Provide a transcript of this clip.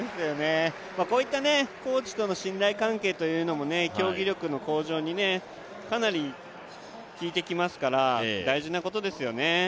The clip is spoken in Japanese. こういったコーチとの信頼関係というのも競技力の向上にかなり効いてきますから大事なことですよね。